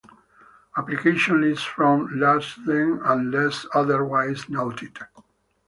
Application list from Lumsden unless otherwise noted.